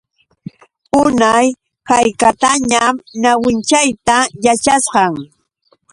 Unay haykatañam ñawinchayta yachashqam.